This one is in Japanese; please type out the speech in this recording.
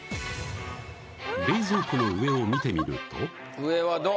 冷蔵庫の上を見てみると上はどう？